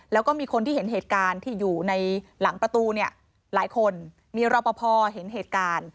แล้วก็มีคนที่เห็นเหตุการณ์ที่อยู่ในหลังประตูเนี่ยหลายคนมีรอปภเห็นเหตุการณ์